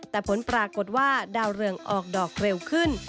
แต่ผลปรากฏว่าดาวเรืองออกดอกเร็วขึ้น